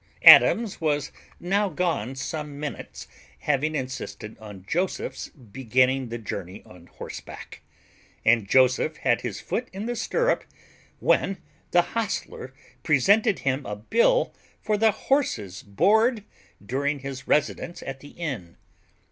Adams was now gone some minutes, having insisted on Joseph's beginning the journey on horseback, and Joseph had his foot in the stirrup, when the hostler presented him a bill for the horse's board during his residence at the inn.